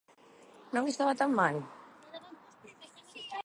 ¿Non estaba tan mal?